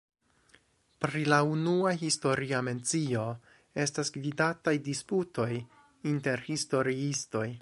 Pri la unua historia mencio estas gvidataj disputoj inter historiistoj.